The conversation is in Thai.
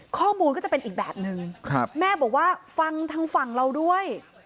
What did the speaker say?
ข้อมูลก็จะเป็นอีกแบบนึงแม่บอกว่าฟังทางฝั่งเราด้วย